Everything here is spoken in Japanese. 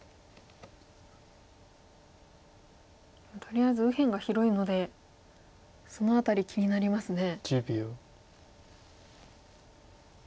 とりあえず右辺が広いのでその辺り気になりますね。